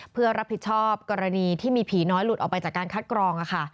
เพื่อรับผิดชอบกรณีที่มีผีน้อยหลุดออกไปจากการคัดกรอง